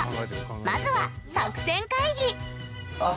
まずは作戦会議！